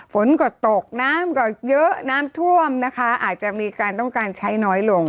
ฝนก็ตกน้ำก็เยอะน้ำท่วมนะคะอาจจะมีการต้องการใช้น้อยลง